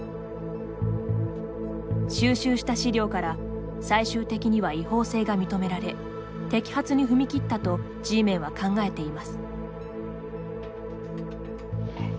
収集した資料から最終的には違法性が認められ摘発に踏み切ったとＧメンは考えています。